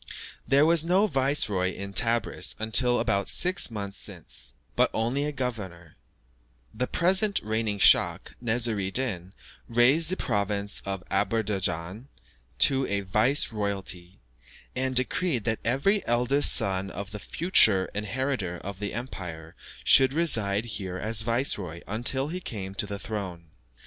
There was no viceroy in Tebris until about six months since, but only a governor; the present reigning schach, Nesr I Din, raised the province of Aderbeidschan to a vice royalty, and decreed that every eldest son of the future inheritor of the empire should reside here as viceroy until he came to the throne.